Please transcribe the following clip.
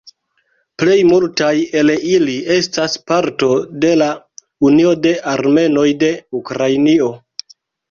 Plej multaj el ili estas parto de la "Unio de Armenoj de Ukrainio".